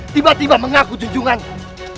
tiba tiba mengaku junjunganmu